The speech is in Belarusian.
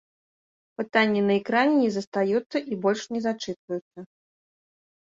Пытанні на экране не застаюцца і больш не зачытваюцца.